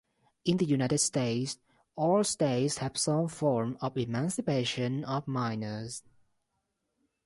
In the United States, all states have some form of emancipation of minors.